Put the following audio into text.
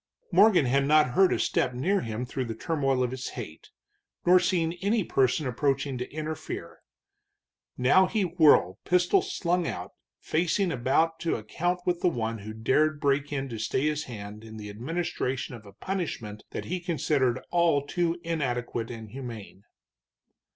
Morgan had not heard a step near him through the turmoil of his hate, nor seen any person approaching to interfere. Now he whirled, pistol slung out, facing about to account with the one who dared break in to stay his hand in the administration of a punishment that he considered all too inadequate and humane.